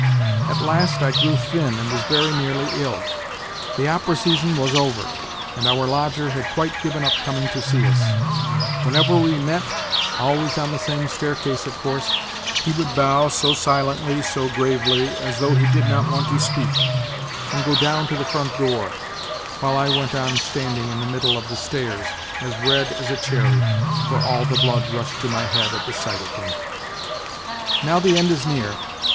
At last I grew thin and was very nearly ill. The opera season was over, and our lodger had quite given up coming to see us ; whenever we met always on the same stair case, of course he would bow so silently, so gravely, as though he did not want to speak, and go down to the front door, while I went on standing in the middle of the stairs, as red as a cherry, for all the blood rushed to my head at the sight of him. " Now the end is near.